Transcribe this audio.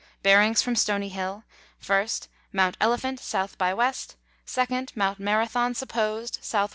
Bearings from Stony Hill. 1st. Mount Elephant, S. by W. 2nd. Mount Marathon (supposed), S.W.